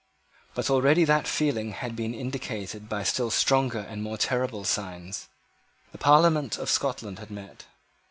But already that feeling had been indicated by still stronger and more terrible signs. The Parliament of Scotland had met.